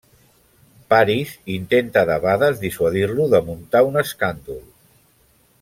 Paris intenta debades dissuadir-lo de muntar un escàndol.